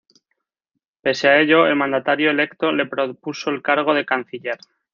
Pese a ello, el mandatario electo le propuso el cargo de canciller.